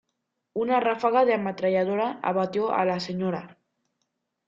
Una ráfaga de ametralladora abatió a la Sra.